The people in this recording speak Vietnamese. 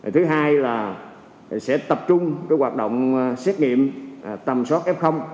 thứ hai là sẽ tập trung hoạt động xét nghiệm tầm soát f